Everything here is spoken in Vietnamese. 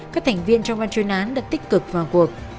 các thành viên trong ban chuyên án đã tích cực vào cuộc